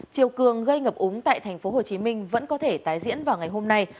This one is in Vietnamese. chiều cường gây ngập úng tại thành phố hồ chí minh vẫn có thể tái diễn vào ngày hôm nay